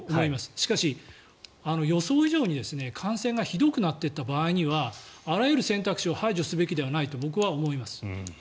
しかし、予想以上に感染がひどくなっていった場合にはあらゆる選択肢を排除すべきではないと僕は思います。